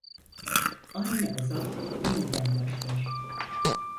Aynı azap yeniden başlar.